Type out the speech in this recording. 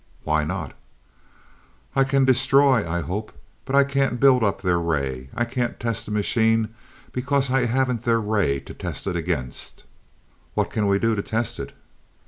"Why not?" "I can destroy I hope but I can't build up their ray. I can't test the machine because I haven't their ray to test it against." "What can we do to test it?"